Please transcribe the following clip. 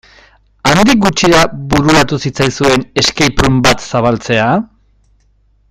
Handik gutxira bururatu zitzaizuen escape room bat zabaltzea?